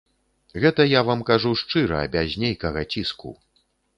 Гэта я вам кажу шчыра, без нейкага ціску.